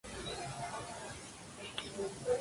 El pelo aparece igualmente tallado y recogido.